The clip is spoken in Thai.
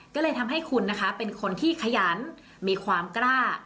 ก็เลยทำให้คุณนะคะเป็นคนที่ขยันมีความกล้า